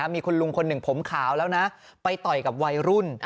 มีคุณลุงคนหนึ่งผมขาวแล้วนะไปต่อยกับวัยรุ่น